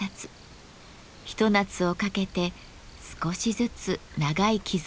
一夏をかけて少しずつ長い傷をつけていきます。